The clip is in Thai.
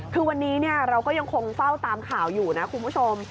คือวันนี้เราก็ยังคงเฝ้าตามข่าวอยู่นะคุณผู้ชม